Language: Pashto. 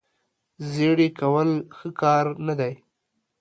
زیړې کول ښه کار نه دی.